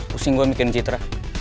pusing gue mikirin citra